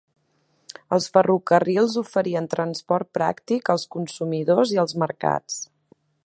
Els ferrocarrils oferien transport pràctic als consumidors i als mercats.